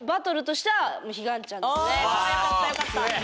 よかったよかった！